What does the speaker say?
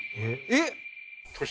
えっ？